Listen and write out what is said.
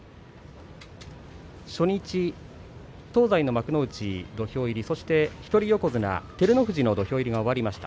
初日、東西の幕内土俵入りそして一人横綱、照ノ富士の土俵入りが終わりました。